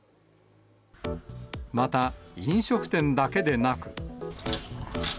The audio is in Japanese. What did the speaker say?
また、飲食店だけでなく。